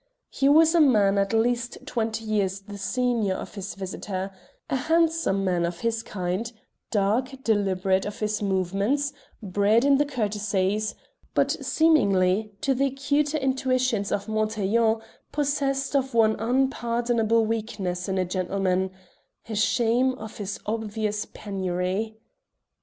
He was a man at least twenty years the senior of his visitor a handsome man of his kind, dark, deliberate of his movements, bred in the courtesies, but seemingly, to the acuter intuitions of Montaiglon, possessed of one unpardonable weakness in a gentleman a shame of his obvious penury.